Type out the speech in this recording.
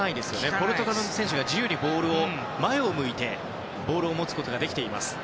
ポルトガルの選手が自由に前を向いてボールを持つことができています。